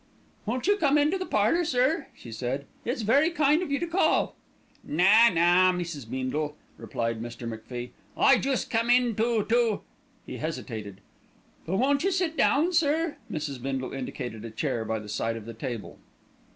"Won't you come into the parlour, sir?" she said. "It's very kind of you to call." "Na, na, Mrs. Beendle," replied Mr. MacFie. "I joost cam in to to " He hesitated. "But won't you sit down, sir?" Mrs. Bindle indicated a chair by the side of the table.